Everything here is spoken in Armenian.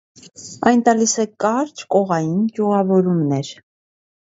Այն տալիս է կարճ, կողային ճյուղավորումներ։